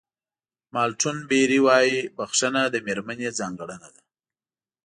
مالټون بېري وایي بښنه د مېرمنې ځانګړنه ده.